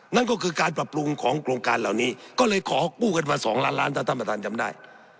นั่นก็คือการปรับปรุงของโครงการเหล่านี้ก็เลยขอกู้กันมา๒ล้านล้านถ้าท่านประธานจำได้